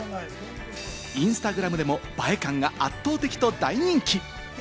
インスタグラムでも映え感が圧倒的と大人気。